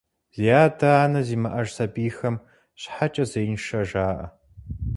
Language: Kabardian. Зи адэ-анэ зимыӏэж сабийхэм щхьэкӏэ зеиншэ жаӏэ.